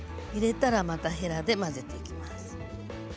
入れたらまたへらで混ぜていきます。